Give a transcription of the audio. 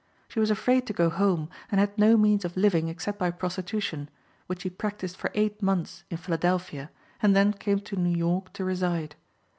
She was afraid to go home, and had no means of living except by prostitution, which she practiced for eight months in Philadelphia, and then came to New York to reside.